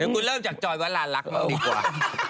ให้คุณเริ่มจากจอยวาราะลักลูกดีกว่า